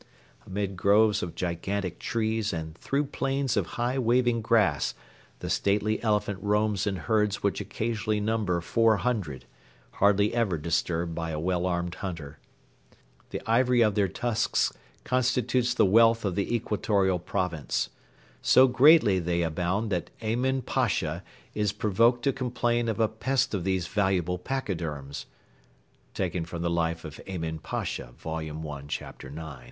Amid groves of gigantic trees and through plains of high waving grass the stately elephant roams in herds which occasionally number four hundred, hardly ever disturbed by a well armed hunter. The ivory of their tusks constitutes the wealth of the Equatorial Province. So greatly they abound that Emin Pasha is provoked to complain of a pest of these valuable pachyderms [LIFE OF EMIN PASHA, vol.i chapter ix.